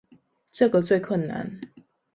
這個最困難